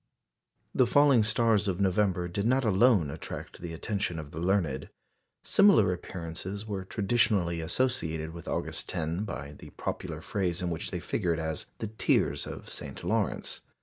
The falling stars of November did not alone attract the attention of the learned. Similar appearances were traditionally associated with August 10 by the popular phrase in which they figured as "the tears of St. Lawrence."